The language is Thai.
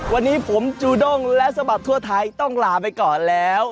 วันนี้ผมจูด้งและสะบัดทั่วไทยต้องลาไปก่อนแล้ว